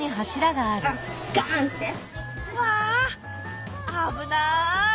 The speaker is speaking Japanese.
うわ危ない！